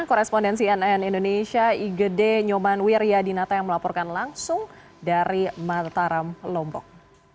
korespondensi nn indonesia igede nyoman wiryadinata yang melaporkan langsung dari mataram lombok